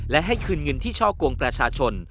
และให้คืนเงินที่ช่อกงประชาชน